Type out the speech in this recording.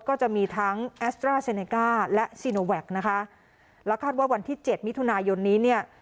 ก็จะมีทั้งแอสตราเซเนก้าและซีโนแวคนะคะแล้วคาดว่าวันที่เจ็ดมิถุนายนนี้เนี่ย